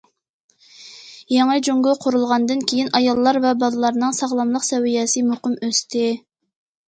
يېڭى جۇڭگو قۇرۇلغاندىن كېيىن، ئاياللار ۋە بالىلارنىڭ ساغلاملىق سەۋىيەسى مۇقىم ئۆستى.